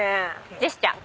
ジェスチャー！